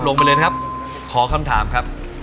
ลงไปเลยนะครับขอคำถามครับ